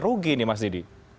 rugi ini mas gidi